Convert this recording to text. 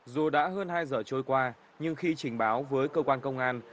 dù đã hơn hai giờ trôi qua nhưng khi trình báo với cơ quan công an